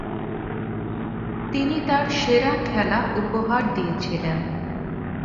তিনি তার সেরা খেলা উপহার দিয়েছিলেন।